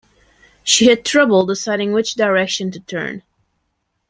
She had trouble deciding which direction to turn.